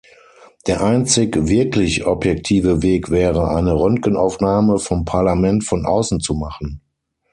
Der einzig wirklich objektive Weg wäre, eine Röntgenaufnahme vom Parlament von außen zu machen.